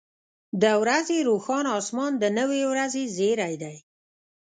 • د ورځې روښانه اسمان د نوې ورځې زیری دی.